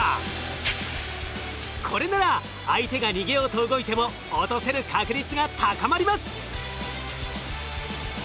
これなら相手が逃げようと動いても落とせる確率が高まります。